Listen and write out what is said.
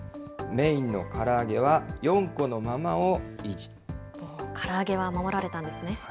メインのから揚げは４個のままをから揚げは守られたんですね。